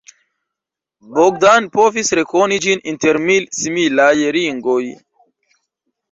Bogdan povis rekoni ĝin inter mil similaj ringoj.